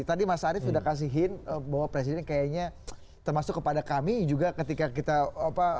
tadi mas arief sudah kasih hin bahwa presiden kayaknya termasuk kepada kami juga ketika kita apa